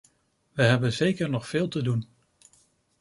We hebben zeker nog veel te doen.